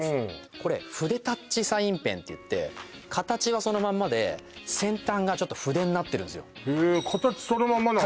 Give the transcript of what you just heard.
これ筆ｔｏｕｃｈサインペンっていって形はそのまんまで先端が筆になってるんすよへえ形そのまんまなんだ